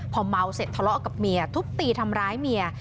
พอเมาเสร็จทะเลาะกับเมียทุบตีทำร้ายเมีย